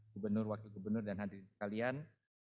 gubernur wakil gubernur dan hadirin sekalian